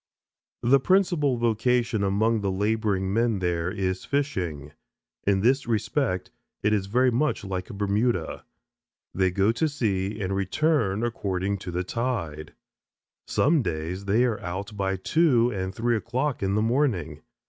The principal vocation among the laboring men there is fishing. In this respect it is very much like Bermuda. They go to sea and return according to the tide. Some days they are out by two and three o'clock in the morning.